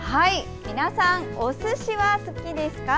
皆さん、おすしは好きですか？